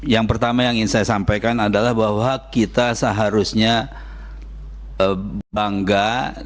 yang pertama yang ingin saya sampaikan adalah bahwa kita seharusnya bangga